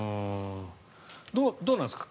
どうなんですか？